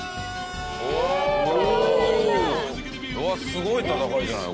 すごい戦いじゃない？